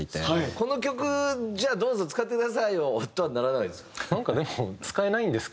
「この曲じゃあどうぞ使ってくださいよ」とはならないんですか？